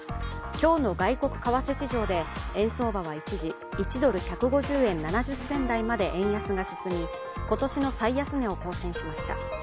今日の外国為替市場で円相場は一時１ドル＝１５０円７０銭台まで円安が進み今年の最安値を更新しました。